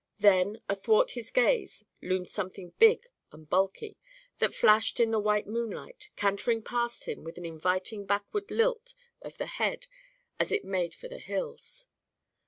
Then, athwart his gaze, loomed something big and bulky, that flashed in the white moonlight, cantering past him with an inviting backward lilt of the head as it made for the hills.